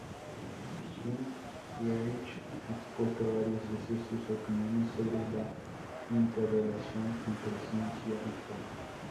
Gingerich ha expuesto varias veces sus opiniones sobre la interrelación entre ciencia y fe.